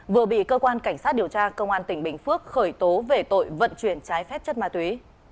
vừa bị cơ quan cảnh sát điều tra công an tỉnh bình phước khởi tố về tội vận chuyển trái phép chất ma túy